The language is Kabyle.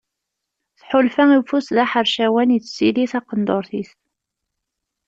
Tḥulfa i ufus d aḥercawan yessili taqendurt-is.